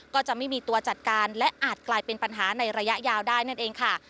ก็จะไม่มีตัวจัดการและอาจกลายเป็นปัญหาในระยะยาวได้นั่นเองค่ะ